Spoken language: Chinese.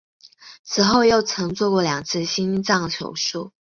此后又曾做过两次心脏手术。